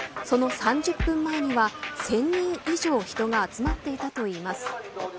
その３０分前には１０００人以上人が集まっていたといいます。